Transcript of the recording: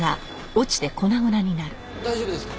大丈夫ですか？